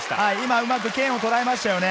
うまく剣をとらえましたね。